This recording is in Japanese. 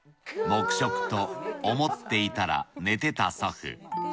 黙食と思っていたら寝てた祖父。